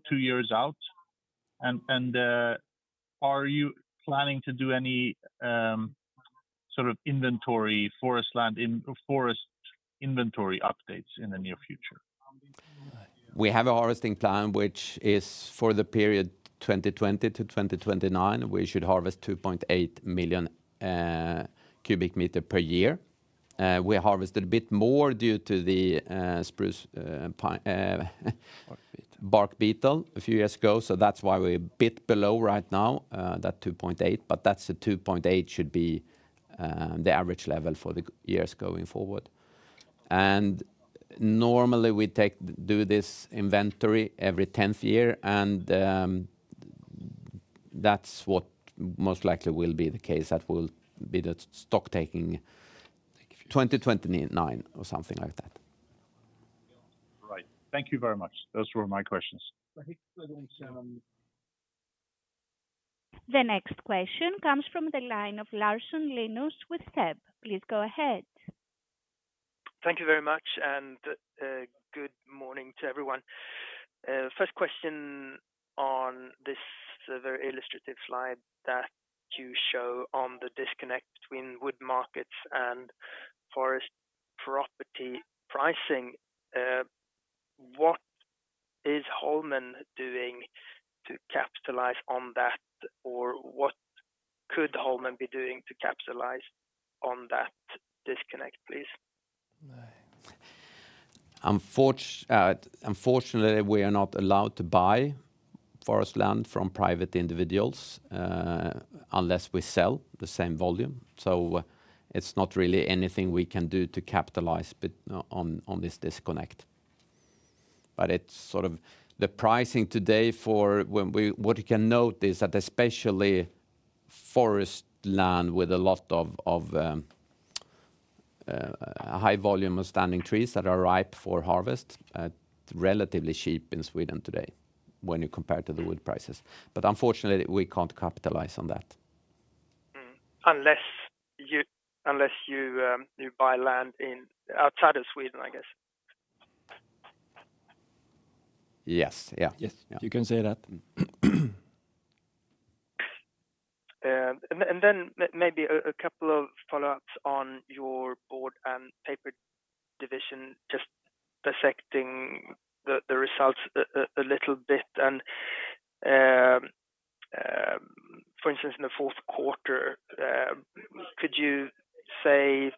two years out? And are you planning to do any sort of inventory forest land in forest inventory updates in the near future? We have a harvesting plan, which is for the period 2020 to 2029. We should harvest 2.8 million cubic meters per year. We harvested a bit more due to the spruce bark beetle a few years ago, so that's why we're a bit below right now, that 2.8, but that's the 2.8 should be the average level for the years going forward. And normally we do this inventory every 10th year, and that's what most likely will be the case that will be the stock taking 2029 or something like that. Right. Thank you very much. Those were my questions. The next question comes from the line of Linus Larsson with SEB. Please go ahead. Thank you very much, and good morning to everyone. First question on this very illustrative slide that you show on the disconnect between wood markets and forest property pricing. What is Holmen doing to capitalize on that, or what could Holmen be doing to capitalize on that disconnect, please? Unfortunately, we are not allowed to buy forest land from private individuals unless we sell the same volume, so it's not really anything we can do to capitalize on this disconnect, but it's sort of the pricing today for what you can note is that especially forest land with a lot of high volume of standing trees that are ripe for harvest, relatively cheap in Sweden today when you compare to the wood prices, but unfortunately, we can't capitalize on that. Unless you buy land outside of Sweden, I guess. Yes. Yeah. Yes. You can say that. Then maybe a couple of follow-ups on your board and paper division, just dissecting the results a little bit. For instance, in the fourth quarter, could you say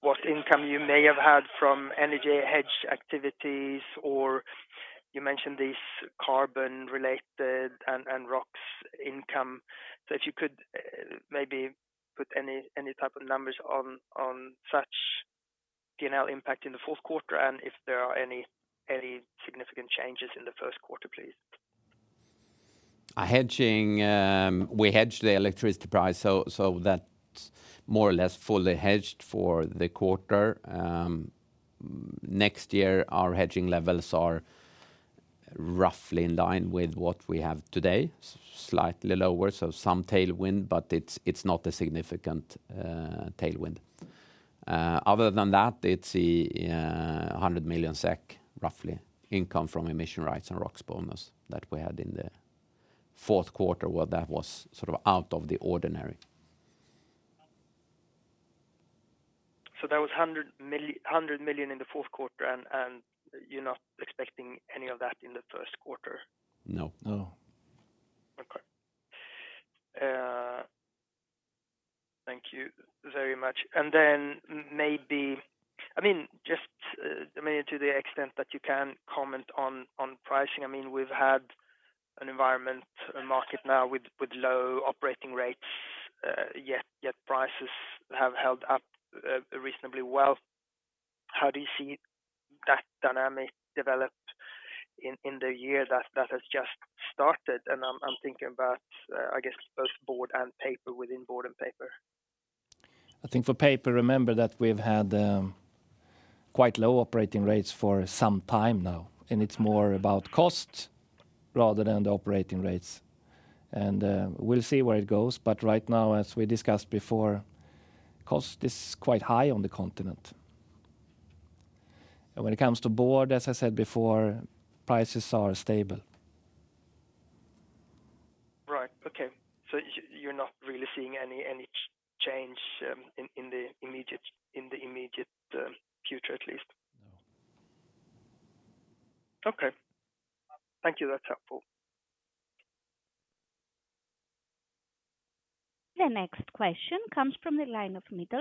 what income you may have had from energy hedge activities, or you mentioned these carbon-related and ROCs income? So if you could maybe put any type of numbers on such P&L impact in the fourth quarter and if there are any significant changes in the first quarter, please. We hedged the electricity price so that more or less fully hedged for the quarter. Next year, our hedging levels are roughly in line with what we have today, slightly lower, so some tailwind, but it's not a significant tailwind. Other than that, it's 100 million SEK, roughly, income from emission rights and ROCs bonus that we had in the fourth quarter, where that was sort of out of the ordinary. That was 100 million in the fourth quarter, and you're not expecting any of that in the first quarter? No. Okay. Thank you very much. And then maybe, I mean, just to the extent that you can comment on pricing, I mean, we've had an environment, a market now with low operating rates, yet prices have held up reasonably well. How do you see that dynamic develop in the year that has just started? And I'm thinking about, I guess, both board and paper within board and paper. I think for paper, remember that we've had quite low operating rates for some time now, and it's more about cost rather than the operating rates. And we'll see where it goes, but right now, as we discussed before, cost is quite high on the continent. And when it comes to board, as I said before, prices are stable. Right. Okay. So you're not really seeing any change in the immediate future, at least? No. Okay. Thank you. That's helpful. The next question comes from the line of Pallav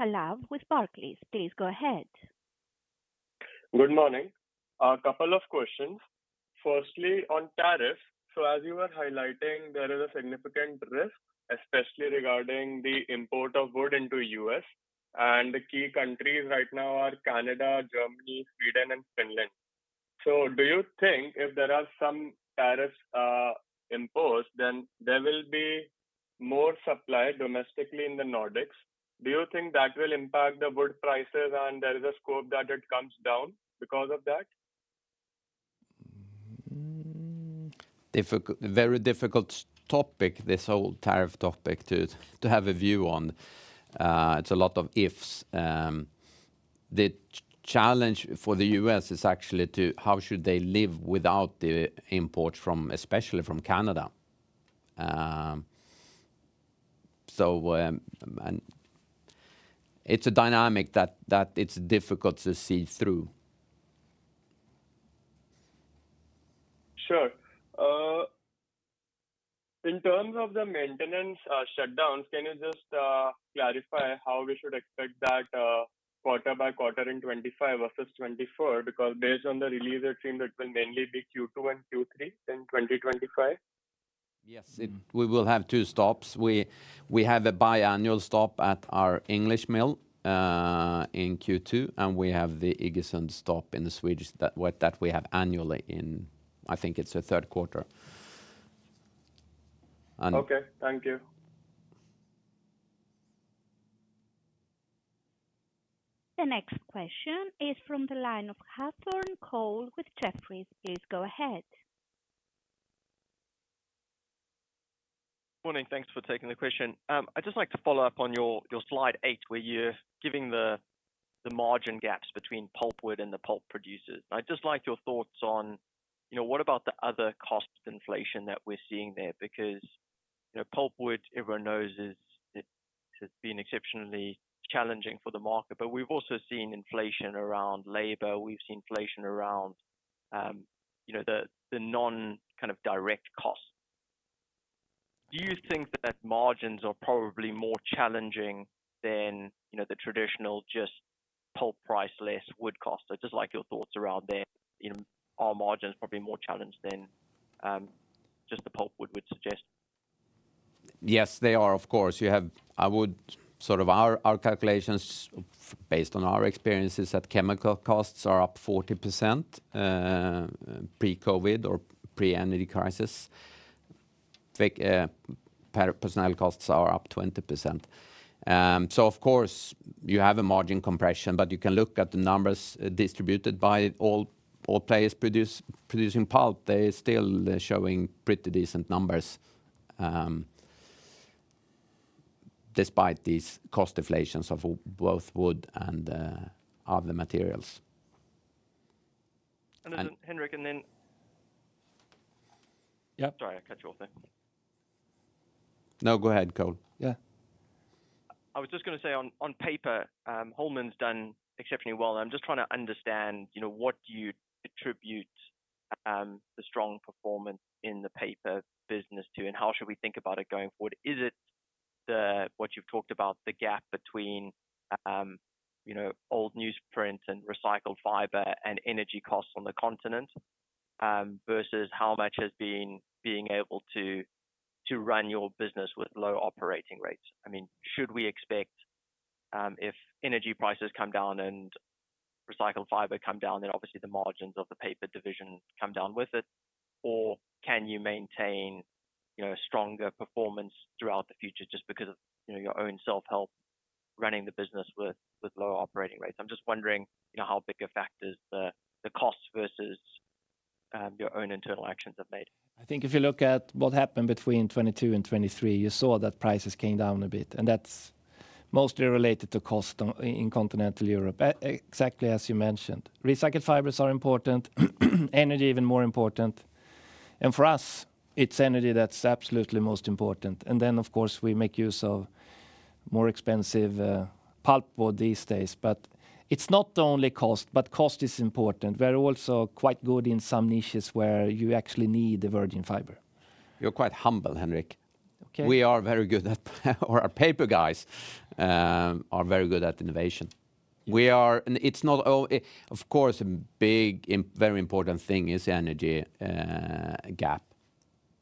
Mittal with Barclays. Please go ahead. Good morning. A couple of questions. Firstly, on tariffs. So as you were highlighting, there is a significant risk, especially regarding the import of wood into the U.S. And the key countries right now are Canada, Germany, Sweden, and Finland. So do you think if there are some tariffs imposed, then there will be more supply domestically in the Nordics? Do you think that will impact the wood prices and there is a scope that it comes down because of that? Very difficult topic, this whole tariff topic to have a view on. It's a lot of ifs. The challenge for the U.S. is actually to how should they live without the imports, especially from Canada? So it's a dynamic that it's difficult to see through. Sure. In terms of the maintenance shutdowns, can you just clarify how we should expect that quarter by quarter in 2025 versus 2024? Because based on the release regime, it will mainly be Q2 and Q3 in 2025. Yes. We will have two stops. We have a biannual stop at our Iggesund mill in Q2, and we have the Iggesund stop in Sweden that we have annually in, I think it's the third quarter. Okay. Thank you. The next question is from the line of Hathorn, Cole with Jefferies. Please go ahead. Good morning. Thanks for taking the question. I'd just like to follow up on your slide eight where you're giving the margin gaps between pulpwood and the pulp producers. I'd just like your thoughts on what about the other cost inflation that we're seeing there? Because pulpwood, everyone knows, has been exceptionally challenging for the market, but we've also seen inflation around labor. We've seen inflation around the non-kind of direct costs. Do you think that margins are probably more challenging than the traditional just pulp price less wood costs? I'd just like your thoughts around there. Are margins probably more challenged than just the pulpwood would suggest? Yes, they are, of course. I would base our calculations based on our experiences that chemical costs are up 40% pre-COVID or pre-energy crisis. Personnel costs are up 20%. So of course, you have a margin compression, but you can look at the numbers distributed by all players producing pulp. They're still showing pretty decent numbers despite these cost inflations of both wood and other materials. Henrik, and then. Yeah. Sorry, I cut you off there. No, go ahead, Cole. Yeah. I was just going to say on paper, Holmen's done exceptionally well. I'm just trying to understand what you attribute the strong performance in the paper business to, and how should we think about it going forward? Is it what you've talked about, the gap between old newsprint and recycled fiber and energy costs on the continent versus how much has been being able to run your business with low operating rates? I mean, should we expect if energy prices come down and recycled fiber come down, then obviously the margins of the paper division come down with it? Or can you maintain a stronger performance throughout the future just because of your own self-help running the business with low operating rates? I'm just wondering how big a factor the costs versus your own internal actions have made. I think if you look at what happened between 2022 and 2023, you saw that prices came down a bit. And that's mostly related to cost in continental Europe, exactly as you mentioned. Recycled fibers are important. Energy, even more important. And for us, it's energy that's absolutely most important. And then, of course, we make use of more expensive pulpwood these days. But it's not only cost, but cost is important. We're also quite good in some niches where you actually need the virgin fiber. You're quite humble, Henrik. We are very good at, or our paper guys are very good at innovation. It's not, of course, a big, very important thing is the energy gap.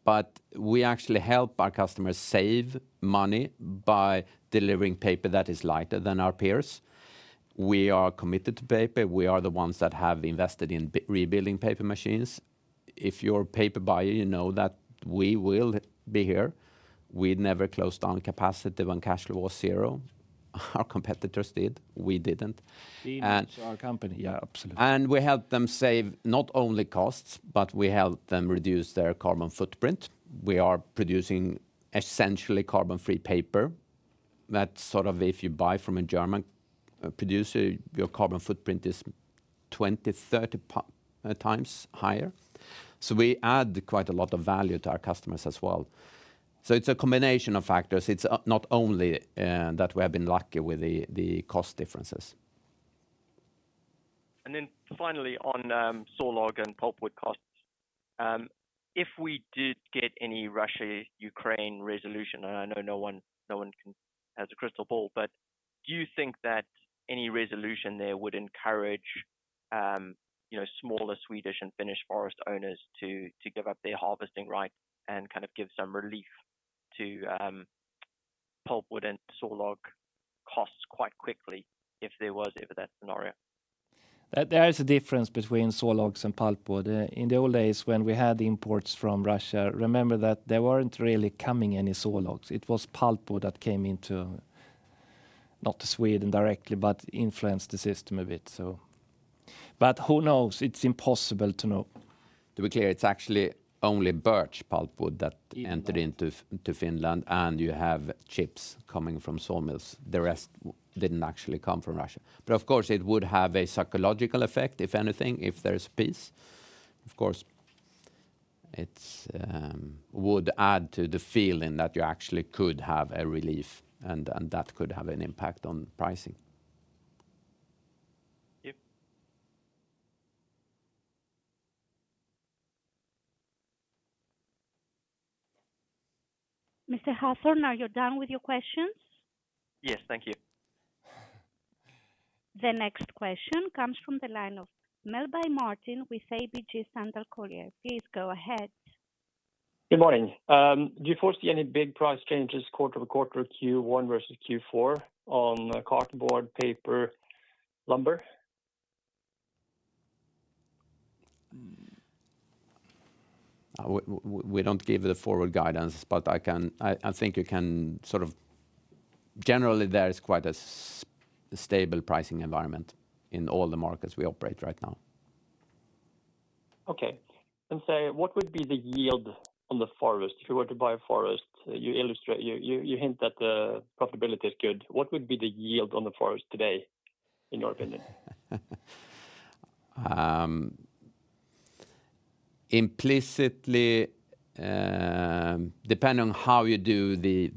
But we actually help our customers save money by delivering paper that is lighter than our peers. We are committed to paper. We are the ones that have invested in rebuilding paper machines. If you're a paper buyer, you know that we will be here. We never closed down capacity when cash flow was zero. Our competitors did. We didn't. We didn't [hurt] our company. Yeah, absolutely, and we help them save not only costs, but we help them reduce their carbon footprint. We are producing essentially carbon-free paper. That's sort of, if you buy from a German producer, your carbon footprint is 20-30 times higher, so we add quite a lot of value to our customers as well, so it's a combination of factors. It's not only that we have been lucky with the cost differences. And then finally, on sawlog and pulpwood costs, if we did get any Russia-Ukraine resolution, and I know no one has a crystal ball, but do you think that any resolution there would encourage smaller Swedish and Finnish forest owners to give up their harvesting rights and kind of give some relief to pulpwood and sawlog costs quite quickly if there was ever that scenario? There is a difference between sawlogs and pulpwood. In the old days, when we had imports from Russia, remember that there weren't really coming any sawlogs. It was pulpwood that came into, not Sweden directly, but influenced the system a bit. But who knows? It's impossible to know. To be clear, it's actually only birch pulpwood that entered into Finland, and you have chips coming from sawmills. The rest didn't actually come from Russia. But of course, it would have a psychological effect, if anything, if there's peace. Of course, it would add to the feeling that you actually could have a relief, and that could have an impact on pricing. Yep. Mr. Hathorn, are you done with your questions? Yes, thank you. The next question comes from the line of Melbye, Martin with ABG Sundal Collier. Please go ahead. Good morning. Do you foresee any big price changes quarter-to-quarter Q1 versus Q4 on cardboard, paper, lumber? We don't give the forward guidance, but I think you can sort of generally, there is quite a stable pricing environment in all the markets we operate right now. Okay. And say, what would be the yield on the forest? If you were to buy a forest, you hint that the profitability is good. What would be the yield on the forest today, in your opinion? Implicitly, depending on how you do the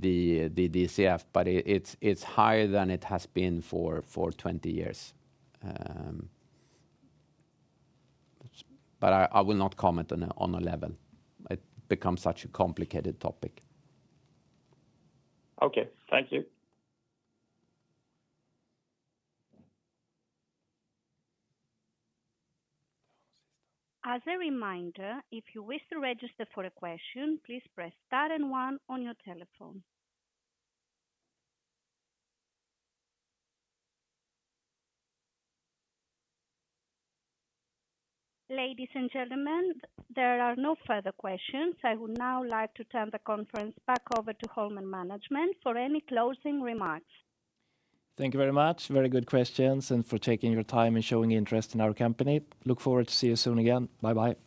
DCF, but it's higher than it has been for 20 years. But I will not comment on a level. It becomes such a complicated topic. Okay. Thank you. As a reminder, if you wish to register for a question, please press star and one on your telephone. Ladies and gentlemen, there are no further questions. I would now like to turn the conference back over to Holmen management for any closing remarks. Thank you very much. Very good questions and for taking your time and showing interest in our company. Look forward to see you soon again. Bye-bye.